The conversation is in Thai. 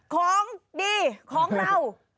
ของดีของเรา